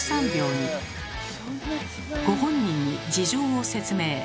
ご本人に事情を説明。